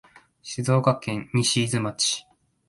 静岡県西伊豆町